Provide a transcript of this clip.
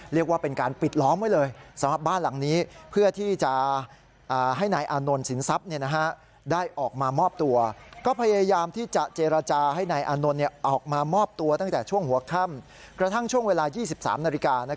เรียกว่าเป็นการปิดล้อมไว้เลยสำหรับบ้านหลังนี้